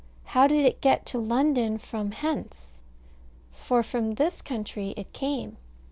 How did it get to London from hence? For from this country it came.